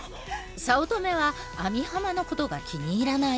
早乙女は網浜のことが気に入らない。